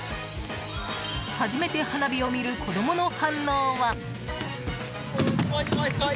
初めて花火を見る子供の反応は。